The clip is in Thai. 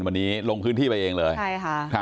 วันนี้ลงพื้นที่ไปเองเลย